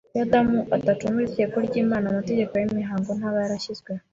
Iyo Adamu adacumura itegeko ry’Imana, amategeko y’imihango ntaba yarashyizweho